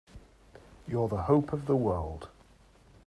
You're the hope of the world!